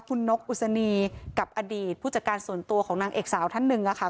คุณนกอุศนีกับอดีตผู้จัดการส่วนตัวของนางเอกสาวท่านหนึ่งค่ะ